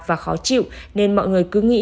và khó chịu nên mọi người cứ nghĩ